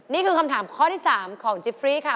นี่คือคำถามข้อที่๓ของจิฟฟรีค่ะ